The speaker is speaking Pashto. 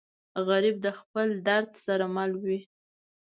غریب د خپل درد سره مل وي